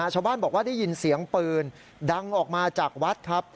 ชาวบ้านบอกว่าได้ยินเสียงปืนดังออกมาจากวัดครับ